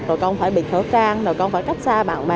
rồi con phải bị khởi trang rồi con phải cách xa bạn bè